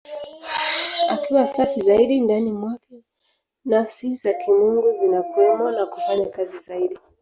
Akiwa safi zaidi, ndani mwake Nafsi za Kimungu zinakuwemo na kufanya kazi zaidi.